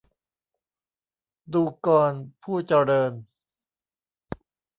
ดูกร ผู้เจริญ